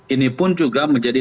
ini pun juga menjadi